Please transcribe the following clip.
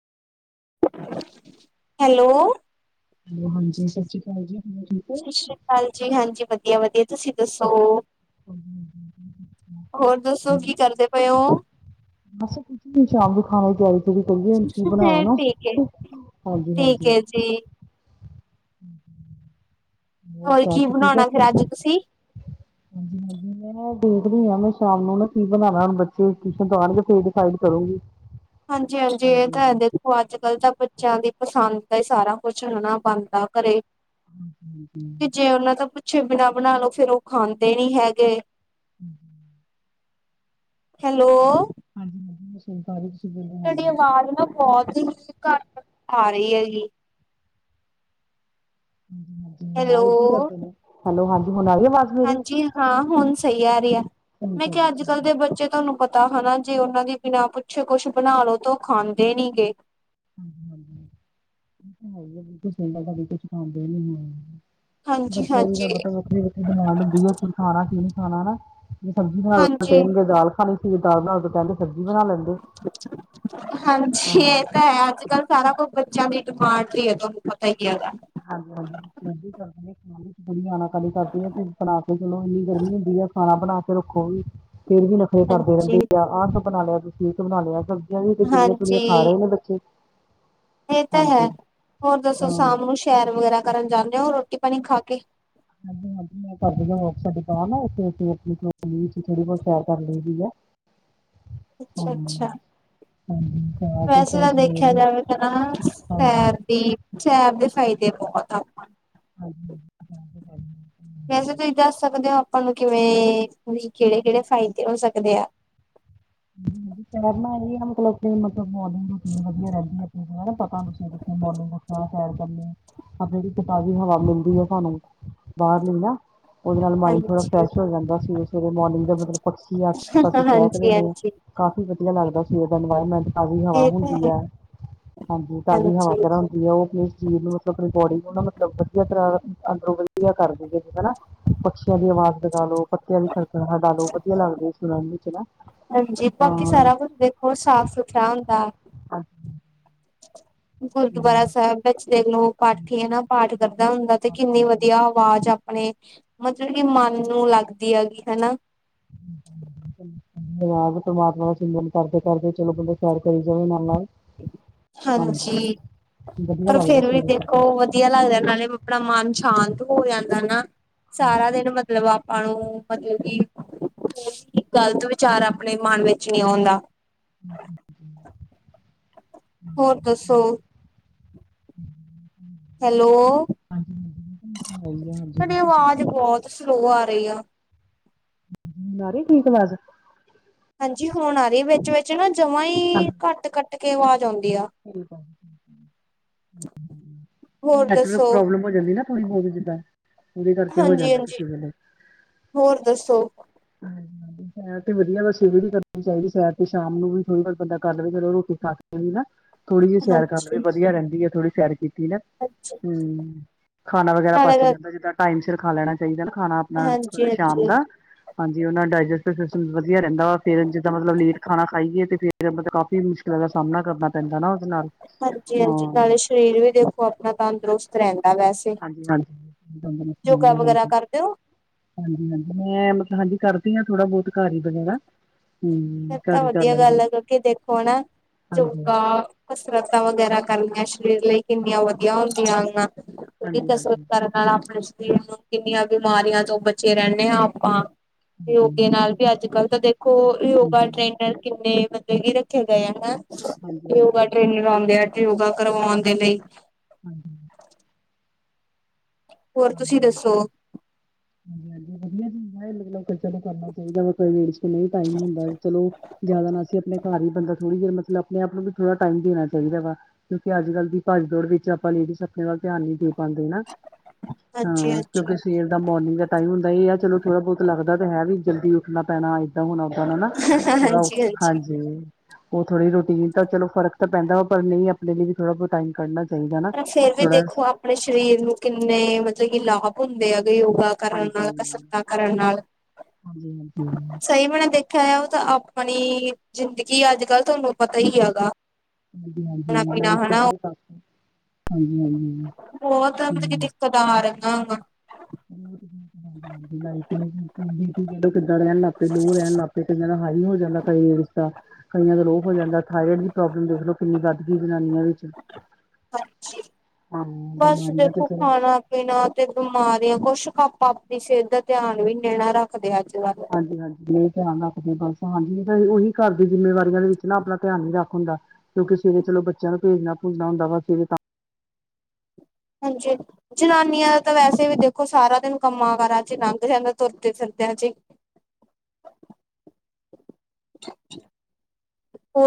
Hello hello ਹਾਂਜੀ, ਸਸ੍ਰੀਕਾਲ ਜੀ। ਹੋ? [unintelligible] ਹਾਂਜੀ, ਹਾਂਜੀ ਵਧੀਆ, ਵਧੀਆ ਤੁਸੀ ਦੱਸੋ? [inaudible] ਹੋਰ ਦੱਸੋ ਕੀ ਕਰਦੇ ਪਏਂ ਓਂ? ਬਸ ਕੁਛ ਨੀ ਸ਼ਾਮ ਦੀ ਖਾਣੇ ਦੀ ਤੇਆਰੀ ਤਿਊਰੀ ਕਰੀਏ ਕੀ ਬਨਾਣਾ। ਠੀਕ ਹੈ ਹਾਂਜੀ, ਠੀਕ ਹਾਂਜੀ। ਹੈ ਜੀ ਹੋਰ ਚਾਹ ਕੀ ਚੂ ਪੀ ਬਨਾਣਾ ਬੈਠੇ? ਫੇਰ ਅੱਜ ਤੁਸੀ? [unintelligible] ਦੇਖਦੀ ਹਾਂ ਮੈਂ ਸ਼ਾਮ ਨੂੰ ਨਾ ਕੀ ਬਨਾਣਾ, ਹੁਣ ਬੱਚੇ ਟਿਊਸ਼ਨ ਤੋਂ ਆਣਗੇ ਫੇਰ ਡਿਸਾਈਡ ਕਰੂਂਗੀ। ਹਾਂਜੀ, ਹਾਂਜੀ ਇਹ ਤਾਂ ਹੈ ਅੱਜ-ਕੱਲ ਤਾਂ ਬੱਚੇਆਂ ਦੀ ਪਸਾਂਦ ਦਾ ਈ ਸਾਰਾ ਕੁਛ ਹਣਾ ਬਾਨਦਾ ਘਰੇ ਜੇ ਉਨਾਂ ਤੋਂ ਪੁੱਛੇ ਬਿਨਾਂ ਬਣਾ ਲਓ ਫੇਰ ਓ ਖਾਂਦੇ ਨੀ ਹੈਗੇ। ਹੂੰ ਹੈਲੋ ਹਾਂਜੀ ਹਾਂਜੀ ਮੈਂ ਸੁਨ ਪਾ ਰੀ ਤੋਡੀ ਅਵਾਜ ਨਾ ਬੋਤ ਹ ਘੱਟ ਆ ਰੀ ਹੈਗੀ। ਹਾਂਜੀ ਆਜ ਕੀ ਹੈਲੋ ਕਰਦੇ ਪੇਔ। ਹੈਲੋ ਹਾਂਜੀ ਹੁਣ ਆਈ ਆਵਾਜ? ਹਾਂਜੀ ਹਾਂ ਹੁਣ ਸਹੀ ਆ ਰੀ ਏ। ਠੀਕ ਮੈਂ ਹੈ ਕੇਆ ਜੀ ਅੱਜ-ਕੱਲ ਠੀਕ ਹੈ ਦੇ ਬੱਚੇ ਤੋਨੂੰ ਪਤਾ ਹਨਾ ਜੇ ਓਨਾਂ ਦੀ ਬਿਨਾਂ ਪੁੱਛੇ ਕੁੱਛ ਬਣਾ ਲਓ ਤੇ ਓ ਖਾਂਦੇ ਨੀਗੇ। ਹ ਹਾਂਜੀ ਬਿਲੁੁਦੇ ਨੀ ਹੋ [unintelligible] ਹਾਂਜੀ ਬੱਚੇਆਂ ਦੀ ਤਾਂ ਹਾਂਜੀ ਵੱਖਰੀ-ਵੱਖਰੀ ਡਿਮਾਂਡ ਹੁੰਦੀ ਐ ਖਾਣਾ ਕੀ ਨੀ ਖਾਣਾ ਹਨਾ, ਜੇ ਸਬਜੀ ਬਣਾ ਦੋ ਹਾਂਜੀ ਕਹਿਣਗੇ ਦਾਲ ਖਾਣੀ ਸੀ ਦਾਲ ਬਣਾ ਤੋਂ ਕੈਂਦੇ ਹਾਂਜੀ ਹਾਂ ਅੱਜ-ਕੱਲ ਸਾਰਾ ਕੁਛ ਬੱਚੇਆਂ ਦੀ ਡਿਮਾਂਡ ਤੇ ਹੀ ਹੈ ਤੋਨੂੰ ਪਤਾ ਹੀ ਹੈਗਾ। [unintelligible] [unintelligible] ਫੇਰ ਵੀ ਨਖਰੇ ਕਰਦੇ ਰੈਂਦੇ ਹਾਂਜੀ ਆ ਆਹ ਕਿਓ ਬਣਾ ਲੇਆ ਤੁਸੀ ਏ ਕੀ ਬਣਾ ਲੇਆ ਓ ਵੀ ਤੇ ਗਿਣੀਆਂ ਚੁਣੀਆਂ ਹਾਂਜੀ ਖਾ ਰੇ ਨੇ ਬੱਚੇ। ਇਹ ਤਾ ਹੈ, ਹਾਂਜੀ ਹੋਰ ਦੱਸੋ, ਹਾਂ ਸ਼ਾਮ ਨੂੰ ਸ਼ੈਰ ਵਗੈਰਾ ਕਰਨ ਜਾਂਨੇ ਓ, ਰੋਟੀ-ਪਾਣੀ ਖਾਕੇ? ਹਾਂਜੀ, ਮੈਂ ਕਿਹਾ ਮੈ ਕਰਦੀ ਆ ਦੁਕਾਨ ਆ, ਓਥੇ ਥੋੜੀ-ਬਹੁਤ ਸੈਰ ਕਰ ਲਈਦੀ ਆ। ਹਾਂ, ਅੱਛਾ ਅੱਛਾ ਹਾਂਜੀ। ਸਾਰਾ ਤੇ ਵੈਸੇ ਚਲੋ ਤਾ ਸਵੇਰ ਦੇਖਿਆ ਨੂੰ ਜਾਵੇ ਤਾਂ ਨਾ, ਹਾਂਜੀ ਸੈਰ ਦੀ, ਸੈਰ ਦੇ ਫਾਇਦੇ ਬਹੁਤ ਆ। ਹਾਂਜੀ [unintelligible] ਵੈਸੇ ਤੁਸੀਂ ਦੱਸ ਸਕਦੇ ਓ ਆਪਾਂ ਨੂੰ ਕਿਵੇਂ, ਤੁ ਕਿਹੜੇ-ਕਿਹੜੇ ਫਾਇਦੇ ਹੋ ਸਕਦੇ ਆ? ਸੈਰ ਨਾਲ ਏ ਨਾ ਮਤਲਬ ਕੀ, ਮਤਲਬ ਮੋਰਨਿੰਗ ਦੀ ਰੂਟੀਨ ਵਧੀਆ ਰਹਿੰਦੀ ਹੈ ਆ ਸਾੰਨੁ ਸਵੇਰੇ ਮੋਰਨਿੰਗ ਉਠਣਾ, ਸੈਰ ਕਰਨੀ, ਆਹ ਜਿਹੜੀ ਕਿ ਤਾਜ਼ੀ ਹਵਾ ਮਿਲਦੀ ਹੈ ਸਾਨੂੰ। ਬਾਹਰਲੀ ਨਾ। ਉਹਦੇ ਨਾਲ ਮਾਇੰਡ ਥੋੜ੍ਹਾ ਹਾਂਜੀ ਫਰੈਸ਼ ਹੋ ਜਾਂਦਾ, ਸਵੇਰੇ-ਸਵੇਰੇ ਮੋਰਨਿੰਗ ਦਾ ਮਤਲਬ, ਪਕਸ਼ੀ ਆਸੇ-ਪਾਸੇ ਚਹਿਕਦੇ ਹਾਂਜੀ ਨੇ। ਹਾਂਜੀ ਕਾਫੀ ਵਧੀਆ ਲੱਗਦਾ ਸੀ, ਓਦਾ ਇਨਵਾਇਰਮੈਂਟ। ਤਾਜ਼ੀ ਹਵਾ ਇਹ ਹੁੰਦੀ ਤਾਂ ਹੈ ਐ, ਹਾਂਜੀ, ਤਾਜ਼ੀ ਹਵਾ ਹਾਂਜੀ ਵਗੈਰਾ ਉਹ ਆਪਣੇ ਸਰੀਰ ਨੂੰ, ਮਤਲਬ ਆਪਣੀ ਬੋਡੀ ਨੂੰ ਮਤਲਬ ਵਧੀਆ ਤਰਾਂ ਅੰਦਰੋਂ ਵਧੀਆ ਕਰਿ ਦਿੰਦੀ ਏ ਹਨਾ। ਪਕਸ਼ੀਆਂ ਦੀ ਅਵਾਜ਼ ਲਗਾਲੋ, ਪੱਤੇਆਂ ਦੀ ਖੜ-ਖੜਾਹਟ ਲਾਲੋ, ਵਦੀਆ ਲੱਗਦੀ, ਸੁਨਨ ਵਿੱਚ ਨਾ। ਹਾਂਜੀ, ਬਾਕੀ ਹਾਂ ਸਾਰਾ ਕੁਛ ਦੇਖੋ ਸਾਫ-ਸੁਥਰਾ ਹੁੰਦਾ। ਅੱ ਗੁਰਦੁਆਰਾ ਸਾਹਿਬ। ਵਿੱਚ ਦੇਖਲੋ, ਪਾਠੀ ਹੈ ਨਾ ਪਾਠ ਕਰਦਾ ਹੁੰਦਾ ਤੇ ਕਿੰਨੀ ਵਧੀਆ ਹਾਂਜੀ ਅਵਾਜ਼ ਆਪਣੇ ਮਤਲਬ ਕੀ ਮਨ ਨੂੰ ਲੱਗਦੀ ਹੈਗੀ, ਹਨਾ। ਪਰਮਾਤਮਾ ਦਾ ਸਿਮਰਨ ਕਰਦੇ-ਕਰਦੇ, ਚਲੋ ਬੰਦਾ ਸੈਰ ਕਰੀ ਜਾਵੇ ਨਾਲ-ਨਾਲ। ਹਾਂਜੀ, ਵਧੀਆ ਪਰ ਲੱਗਦਾ ਫੇਰ ਵੀ ਸਵੇਰੇ ਦੇਖੋ ਸਵੇਰੇ ਵਦੀ ਵਦੀਆ ਲੱਗਦਾ, ਨਾਲੇ ਅਪਣਾ ਮਨ ਸ਼ਾਂਤ ਹੋ ਜਾਂਦਾ ਨਾ, ਸਾਰਾ ਹਾਂਜੀ ਦਿਨ ਵ ਮਤਲਬ ਆਪਾ ਣੁ, ਮਤਲਬ ਕਿ ਗਲਤ ਵਿਚਾਰ ਆਪਣੇ ਮਨ ਵਿੱਚ ਨੀ ਆਉਂਦਾ। ਹੋਰ ਦੱਸੋ? ਹੈਲੋ ਹਾਂਜੀ, [unintelligible] ਹਾਂਜੀ, ਤੁਹਾਡੀ ਫਿਰ ਤੁਸੀ ਆਵਾਜ਼ ਬਹੁਤ ਸਲੋ ਆ ਰਈ ਆ। ਆ ਰਈ ਠੀਕ ਅਵਾਜ਼? ਹਾਂਜੀ, ਹੁਣ ਆ ਰਈ ਵਿੱਚ-ਵਿੱਚ ਨਾ ਜਮਾ ਈ, ਹਾਂਜੀ ਘੱਟ ਕੱਟਕੇ ਅਵਾਜ਼ ਆਉਂਦੀ ਆ। ਠੀਕ ਆ। ਹੋਰ ਨੈਟਵਰਕ ਦੱਸੋ ਪ੍ਰੋਬਲਮ ਹੋ ਜਾਂਦੀ ਨਾ, ਥੋੜੀ-ਬੋਤ ਜਿੱਦਾ। ਓਹਦੇ ਕਰਕੇ ਹੋ ਹਾਂਜੀ ਜਾਂਦਾ, ਹਾਂਜੀ ਕਿਸੇ ਵੇਲੇ। ਹੋਰ ਦੱਸੋ? ਹਾਂ ਸੈਰ ਤੇ ਵਦੀਆ, ਬਸ ਸਵੇਰੇ ਵੀ ਕਰਨੀ ਚਾਹੀਦੀ ਸੈਰ ਤੇ ਸ਼ਾਮ ਨੂੰ ਵੀ ਥੋੜੀ-ਬੋਤ ਬੰਦਾ ਕਰਲਵੇ, ਚਲੋ ਰੋਟੀ ਖਾਕੇ ਨਾ ਥੋੜੀ ਜਿਹੀ ਸੈਰ ਕਰਲੇ, ਹਾਂਜੀ ਵਧੀਆ ਰੈਂਦੀ ਥੋੜੀ ਸੈਰ ਕੀਤੀ ਨਾ। ਹਾਂਜੀ ਹੂੰ, ਖਾਣਾ ਵਗੈਰਾ ਪੱਚ ਨਾਲੇ ਜਾਂਦਾ, ਜਿੱਦਾਂ ਟਾਈਮ ਸਿਰ ਖਾ ਲੈਣਾ ਚਾਈਦਾ ਨਾ ਖਾਣਾ ਨਾਲ ਹਾਂਜੀ ਥੋੜੇ ਸ਼ਾਮ ਹਾਂਜੀ ਦਾ। ਹਾਂਜੀ, ਓਨਾਂ ਡਾਇਜਸਟਿਵ ਸਿਸਟਮ ਵਦੀਆ ਰੈਂਦਾ ਵਾ, ਫੇਰ ਜਿੱਦਾਂ ਮਤਲਬ ਲੇਟ ਖਾਣਾ ਖਾਈਏ ਤੇ ਫੇਰ ਮਤਲਬ ਕਾਫੀ ਮੁਸ਼ਕਿਲਾਂ ਦਾ ਸਾਮਣਾ ਕਰਨਾ ਪੈਂਦਾ ਨਾ ਓਦੇ ਨਾਲ। ਹਾਂਜੀ-ਹਾਂਜੀ, ਹਾਂ ਨਾਲੇ ਸਰੀਰ ਵੀ ਦੇਖੋ ਆਪਣਾ ਤੰਦਰੁਸਤ ਰੈਂਦਾ ਵੈਸੇ ਹਾਂਜੀ-ਹਾਂਜੀ, ਤੰਦਰੁਸਤ ਯੋਗਾ ਰਹਿੰਦਾ, ਵਗੈਰਾ ਹਾਂਜੀ। ਕਰਦੇ ਹੋ ਹਾਂਜੀ-ਹਾਂਜੀ, ਮੈਂ ਮਤਲ ਹਾਂਜੀ ਕਰਦੀ ਆਂ ਥੋੜਾ-ਬੋਤ ਘਰ ਈ ਵਗੈਰਾ। ਹੂੰ ਫੇਰ ਤਾ ਘਰ ਹੀ ਕਰ ਵਦੀਆ ਲੈਂਦੀ ਗੱਲ ਐ, ਹਾਂ। ਕੇਓਂ ਕੇ ਦੇਖੋ ਨਾ ਹਾਂਜੀ ਜੋਗਾਂ ਕਸਰਤਾ ਵਗੈਰਾ ਕਰਨੀਆਂ ਸਰੀਰ ਲਈ ਕੀਨੀਆਂ ਵਦੀਆ ਹੁੰਦੀਆਂ ਆਂ ਹਾਂਜੀ ਹਾਂਜੀ ਕਸਰਤ ਹਾਂਜੀ ਕਰਨ ਨਾਲ ਅਪਣੇ ਸਰੀਰ ਨੂੰ ਕੀਨੀਆਂ ਬੀਮਾਰੀਆਂ ਤੋ ਬਚੇ ਰੈਨੇ ਆ ਆਪਾ ਹਾਂਜੀ ਯੋਗੇ ਨਾਲ ਵੀ ਅੱਜ-ਕੱਲ ਤਾ ਦੇਖੋ ਯੋ ਹਾਂਜੀ ਨਾਲ ਕੀਨੇ ਬੰਦੇ ਵੀ ਰੱਖੇ ਗਏ ਆ ਨਾ, ਹਾਂਜੀ ਯੋਗ ਟ੍ਰੇਨਰ ਆਂਦੇ ਆਜ ਯੋਗਾ ਕਰਵੌਣ ਦੇ ਲਈ ਹਾਂਜੀ। ਹੋਰ ਹਾਂ ਤੁਸੀ ਹਾਂਜੀ ਦੱਸੋ? ਹਾਂਜੀ ਵਦੀਆ ਜੀ [unintelligible] ਚਲੋ ਕਰਨਾ ਚਾਈਦਾ ਵਾ ਕੋਈ ਕੀਸੇ ਕੋਲੋ ਨਈ ਟਾਈਮ ਹੁੰਦਾ ਚਲੋ, ਜਾਦਾ ਨਾ ਅਸੀ ਆਪਣੇ ਕਾਰ ਈ ਬੰਦਾ ਥੋੜੀ ਦੇਰ ਮਤਲਬ ਅਪਨੇ ਆਪ ਨੂੰ ਵੀ ਥੋੜਾ ਟਾਈਮ ਦੇਣਾ ਚਾਈਦਾ ਵਾ ਕਿਓਂ ਕੇ ਅੱਜ-ਕੱਲ ਦੀ ਭੱਜ-ਦੌੜ ਵਿੱਚ ਆਪਾਂ ਲੇਡੀਸ ਆਪਣੇ ਵੱਲ ਧੇਆਨ ਨੀ ਦੇ ਪਾਂਦੇ ਨਾ ਹਾਂ ਹਾਂਜੀ-ਹਾਂਜੀ, ਕੇਓਕੇ ਸਵੇਰ ਦਾ ਮੌਰਨੀਂਗ ਦਾ ਟਾਈਮ ਹੁੰਦਾ ਏਆ ਚਲੋ ਥੋੜਾ-ਬੋਤ ਲੱਗਦਾ ਤੇ ਹੈ ਵੀ ਜਲਦੀ ਉੱਠਣਾ ਪੈਣਾ ਏ ਹੁਣ ਓਦਾ ਦਾ ਨਾ ਥੋੜਾ ਹਾਂਜੀ-ਹਾਂਜੀ। ਹਾਂਜੀ ਓ ਥੋੜੀ ਰੋਟੀਨ ਤਾ ਚਲੋ ਫਰਕ ਤਾਂ ਪੈਂਦਾ ਆ ਪਰ ਨਈ ਅਪਨੇ ਲੀ ਵੀ ਥੋੜਾ ਬੋ ਟਾਈਮ ਕੱਢਨਾ ਪਰ ਫੇਰ ਵੀ ਦੇਖੋ ਆਪ ਪਣੇ ਸਰੀਰ ਨੂੰ ਕੀਨੇ ਮਤੇ ਕੀ ਲਾਭ ਹੁੰਦੇ ਆਗੇ ਯੋਗਾ ਕਰਨ ਨਾਲ ਕਸਰਤਾ ਕਰਨ ਨਾਲ ਹਾਂਜੀ-ਹਾਂਜੀ। ਸਈ ਮੈਂਨੇ ਦੇਖੇਆ ਐ ਓ ਤਾਂ ਆਪਣੀ ਜ਼ਿੰਦਗੀ ਅੱਜ-ਕੱਲ ਤੁਆਨੂੰ ਪਤਾ ਈ ਹੈਗਾ ਹਾਂਜੀ-ਹਾਂਜੀ ਖਾਣਾ ਪੀਣਾ ਲਾਈਫ [unintelligible] ਹਾਂਜੀ ਹੋਰ ਤੈਨੂੰ ਕੀ ਦੀਕਤ ਆ ਰੰਗਾਂ [unintelligible] ਕੀਦਾਂ ਰੈਂਣ ਲੱਗ ਪੇ ਲੋਅ ਰੈਣ ਲਾ ਕੀਸੇ ਦੇਨ ਹਾਈ ਹੋ ਜਾਦਾ ਕਾ ਰੀਛਤਾ ਕਈਆਂ ਦਾ ਲੋ ਹੋ ਜਾਂਦਾ ਥਾਈਰਡ ਦੀ ਪ੍ਰੋਬਲਮ ਦੇਖਲੋ ਕੀਨੀ ਵੱਧ ਗਈ ਜਨਾਨੀਆਂ ਵੀਚ। ਹਾਂਜੀ, ਬਸ ਬਿਮਾਰੀਆਂ ਤੇ ਦੇਖੋ ਚਲੋ ਖਾਣਾ ਬੀਨਾਂ ਤੇ ਬੀਮਾਰੀਆਂ ਕੁਛ ਕੁ ਆਪਾਂ ਆਪਣੀ ਸੇ ਦਾ ਧੇਆਨ ਵੀ ਨੀ ਣਾ ਰੱਖਦੇ ਅੱਜ-ਕੱਲ ਹਾਂਜੀ-ਹਾਂਜੀ ਮੈਂ ਧੇਆਨ ਰੱਖਦੀ ਆ ਬਸ ਹਾਂਜੀ ਤਾਂ ਉਹੀ ਘਰ ਦੀ ਜਿੰਮੇਵਾਰੀਆਂ ਦੇ ਵੇਚ ਨਾ ਆਪਣਾ ਧੇਆਨ ਨੀ ਰੱਖ ਹੁੰਦਾ ਕੇਓਕੇ ਸਵੇਰੇ ਚਲੋ ਬੱਚੇਆਂ ਨੂੰ ਭੇਜਣਾ-ਭੂੰਜਣਾ ਹੁੰਦਾ ਵਾ ਸਵੇਰੇ ਤਾਂ ਹਾਂਜੀ ਜਨਾਨੀਆਂ ਦਾ ਤਾਂ ਵੈਸੇ ਵੀ ਦੇਖੋ ਸਾਰਾ ਦੇਨ ਕੰਮਾਂ ਕਾਰਾਂ ਚ ਲੰਘ ਜਾਂਦਾ ਤੁਰਦੇ ਫਿਰਦੇਆਂ ਚ ਈ। [inaudible]